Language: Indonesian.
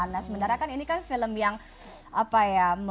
nah sebenarnya kan ini kan film yang apa ya